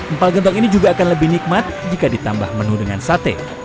empal gentong ini juga akan lebih nikmat jika ditambah menu dengan sate